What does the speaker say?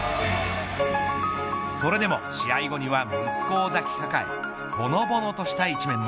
それでも、試合後には息子を抱き抱えほのぼのとした一面も。